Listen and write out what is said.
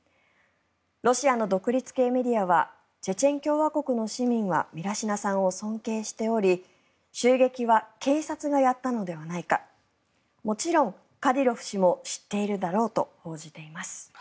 ロシアの独立系メディアはチェチェン共和国の市民はミラシナさんを尊敬しており襲撃は警察がやったのではないかもちろんカディロフ氏も知っているだろうと報じています。